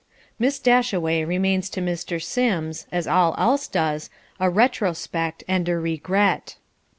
Miss Dashaway remains to Mr. Sims, as all else does, a retrospect and a regret.